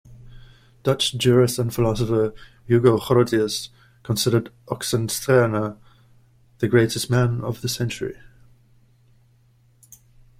Dutch jurist and philosopher Hugo Grotius considered Oxenstierna "the greatest man of the century".